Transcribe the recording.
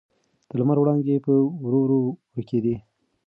د لمر وړانګې په ورو ورو ورکېدې.